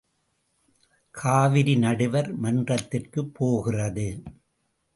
காவிரி நடுவர் மன்றத்திற்குப் போகிறது?